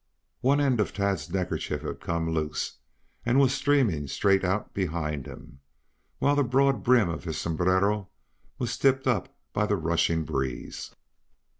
One end of Tad's neckerchief had come loose and was streaming straight out behind him, while the broad brim of his sombrero was tipped up by the rushing breeze.